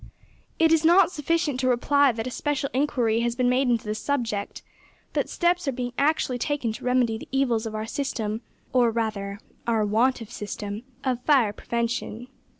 It is not sufficient to reply that a special inquiry has been made into this subject; that steps are being actually taken to remedy the evils of our system (or rather of our want of system) of fire prevention.